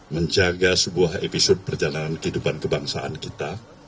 menjaga sebuah episode perjalanan kehidupan kebangsaan kita